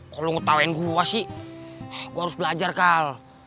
kok lo ngetawain gue sih gue harus belajar kal